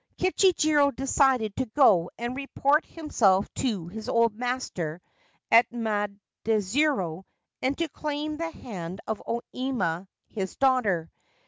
Kichijiro decided to go and report himself to his old master at Maidzuru and to claim the hand of O Ima his daughter.